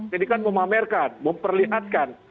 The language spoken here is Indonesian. jadi kan memamerkan memperlihatkan